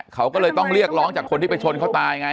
เขาก็เลยต้องเรียกร้องจากคนที่ไปชนเขาตายไง